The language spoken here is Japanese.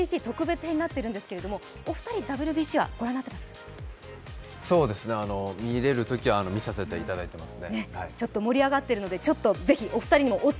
今日の「バズったワード」はＷＢＣ特別編になっているんですけれども、お二人ＷＢＣはご覧になっていますか見れるときは見させていただいています。